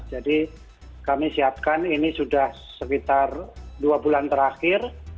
jadi kami siapkan ini sudah sekitar dua bulan terakhir